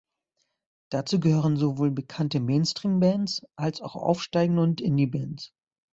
Dazu gehören sowohl bekannte Mainstream-Bands als auch aufsteigende und Indie-Bands.